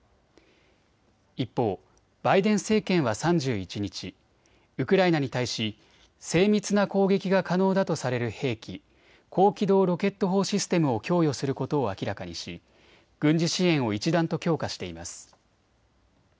一方、バイデン政権は３１日、ウクライナに対し精密な攻撃が可能だとされる兵器高機動ロケット砲システムを供与することを明らかにし軍事支援を一段と強化しています。